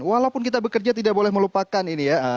walaupun kita bekerja tidak boleh melupakan ini ya